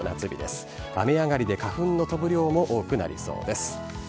雨上がりで花粉の飛ぶ量も多くなりそうです。